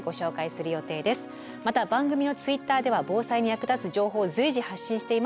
また番組のＴｗｉｔｔｅｒでは防災に役立つ情報を随時発信しています。